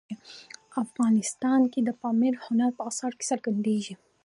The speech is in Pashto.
افغانستان کې پامیر د هنر په اثارو کې څرګندېږي.